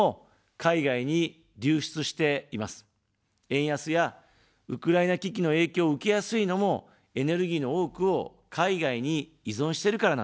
円安やウクライナ危機の影響を受けやすいのも、エネルギーの多くを海外に依存してるからなんですね。